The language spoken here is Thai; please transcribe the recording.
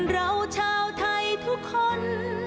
เราชาวไทยทุกคน